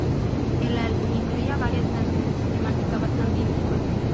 El álbum incluía varias canciones de temática bastante inusual.